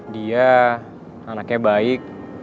dia anaknya baik